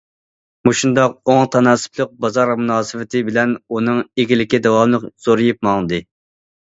مۇشۇنداق ئوڭ تاناسىپلىق بازار مۇناسىۋىتى بىلەن ئۇنىڭ ئىگىلىكى داۋاملىق زورىيىپ ماڭدى.